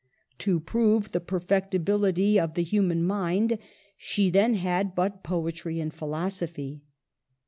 To prove the perfectibility of the human mind, she then had but poetry and philosophy.